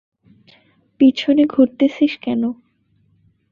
পিছনে ঘুরতেছিস কেন?